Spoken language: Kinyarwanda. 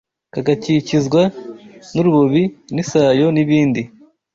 kagakikizwa n’urubobi n’isayo n’ibindi